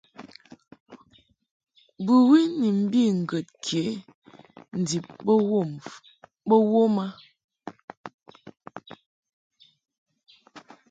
Bɨwi ni mbi ŋgəd ke ndib bo wom a.